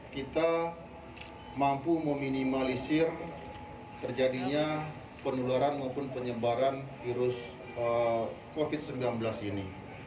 kita mampu meminimalisir terjadinya penularan maupun penyebaran virus covid sembilan belas ini